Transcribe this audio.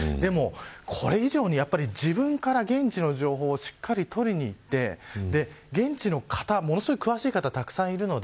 でも、これ以上に自分から現地の情報をしっかり取りにいって現地の方はものすごく詳しい方がいます。